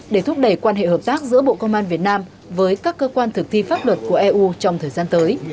để thúc đẩy quan hệ hợp tác giữa bộ công an việt nam với các cơ quan thực thi pháp luật của eu trong thời gian tới